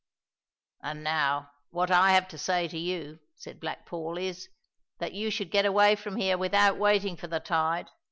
"And now, what I have to say to you," said Black Paul, "is, that you should get away from here without waiting for the tide.